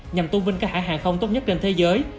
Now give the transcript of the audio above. nhằm tôn vinh các hãng hàng không tốt nhất trên thế giới